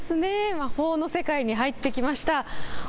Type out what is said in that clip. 魔法の世界に入ってきました。